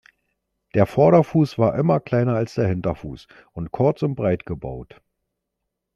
Der Vorderfuß war immer kleiner als der Hinterfuß und kurz und breit gebaut.